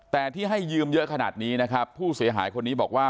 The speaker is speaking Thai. แต่ที่ให้ยืมเยอะขนาดนี้นะครับผู้เสียหายคนนี้บอกว่า